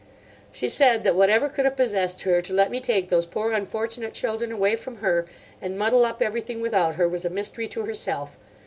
She said that whatever could have possessed her to let me take those poor unfortunate children away from her, and muddle up everything without her, was a mystery to herself.